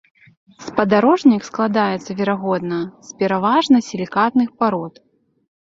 Спадарожнік складаецца, верагодна, з пераважна сілікатных парод.